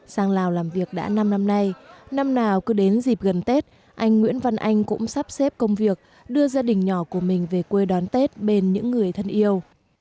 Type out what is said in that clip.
sang lào làm việc đã năm năm nay năm nào cứ đến dịp gần tết anh nguyễn văn anh cũng sắp xếp công việc đưa gia đình nhỏ của mình về quê đón tết bên những người thân yêu